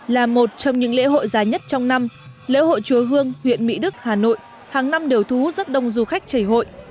là một trong những lễ hội giá nhất trong năm lễ hội chúa hương huyện mỹ đức hà nội hàng năm đều thu hút rất đông du khách chảy hội